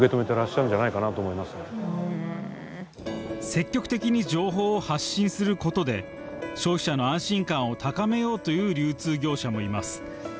積極的に情報を発信することで消費者の安心感を高めようという流通業者もいます。